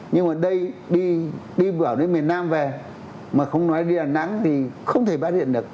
nhưng mà đây đi vào nước miền nam về mà không nói đi đà nẵng thì không thể phát hiện được